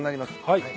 はい。